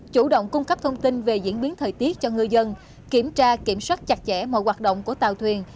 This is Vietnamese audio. chủ động cung cấp thông tin về diễn biến thời tiết cho ngư dân kiểm tra kiểm soát chặt chẽ mọi hoạt động của tàu thuyền